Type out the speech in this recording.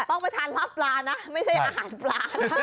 ต้องไปทานลาบปลานะไม่ใช่อาหารปลานะ